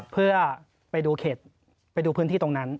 เพื่อไปดูเขตไปดูพื้นที่ตรงนั้น